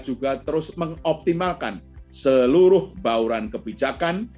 juga terus mengoptimalkan seluruh bauran kebijakan